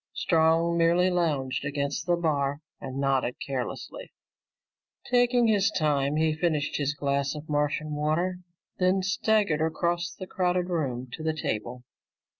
Strong merely lounged against the bar and nodded carelessly. Taking his time, he finished his glass of Martian water, then swaggered across the crowded room to the table.